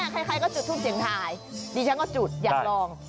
ใครก็จุดทูปเสียงทายดิฉันก็จุดอยากลอง